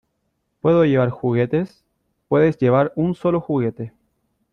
¿ Puedo llevar juguetes? Puedes llevar un sólo juguete.